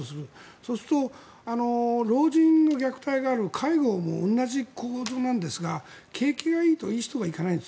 そうすると老人虐待がある介護も同じ構造なんですが景気がいいといい人がいかないんです